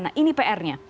nah ini pr nya